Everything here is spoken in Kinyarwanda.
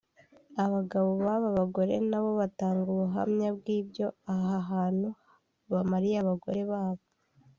Abagabo b’aba bagore na bo batanga ubuhamya bw’ibyo aha hantu bamariye abagore babo